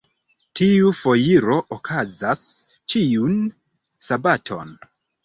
Tiu foiro okazas ĉiun sabaton.